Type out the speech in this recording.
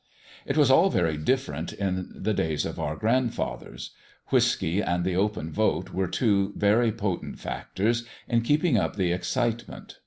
It was all very different in the days of our grandfathers. Whiskey and the open vote were two very potent factors in keeping up the excitement.